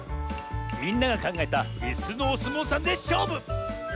みんながかんがえたいすのおすもうさんでしょうぶ！